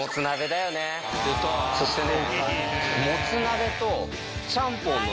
そしてね。